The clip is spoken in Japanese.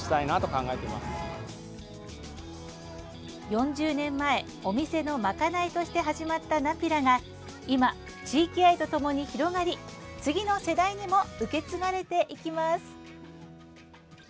４０年前、お店のまかないとして始まったナピラが今、地域愛とともに広がり次の世代にも受け継がれていきます。